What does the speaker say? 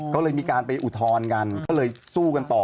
เขาเลยมีการไปอุทรนกันเขาเลยสู้กันต่อ